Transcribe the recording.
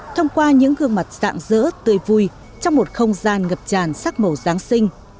thông qua những gương mặt dạng dỡ tươi vui trong một không gian ngập tràn sắc màu giáng sinh